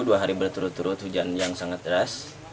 dua hari berturut turut hujan yang sangat deras